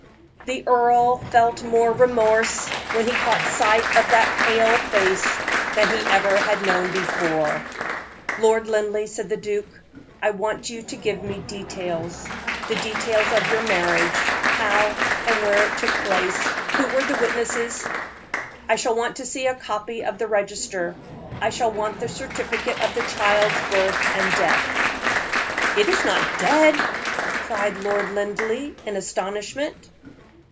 The earl felt more remorse when he caught sight of that pale face than he had ever before known. "Lord Linleigh," said the duke, "I want you to give me details the details of your marriage; how and where it took place; who were the witnesses. I shall want to see the copy of the register; I shall want the certificate of the child's birth and death." "It is not dead!" cried Lord Linleigh, in astonishment.